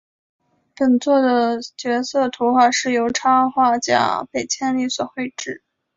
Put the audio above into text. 本作的角色图画是由插画家北千里所绘制。